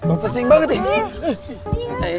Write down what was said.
bau pisik banget ya